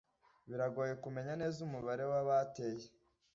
Biragoye kumenya neza umubare w'abateye